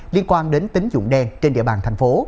liên quan đến tính dụng đen trên địa bàn tp